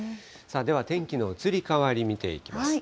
では、天気の移り変わり、見ていきます。